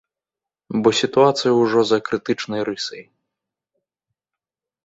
Бо сітуацыя ўжо за крытычнай рысай.